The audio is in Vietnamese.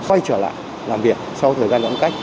quay trở lại làm việc sau thời gian giãn cách